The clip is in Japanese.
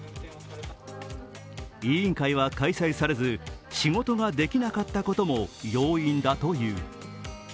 委員会は開催されず、仕事ができなかったことも要因だという。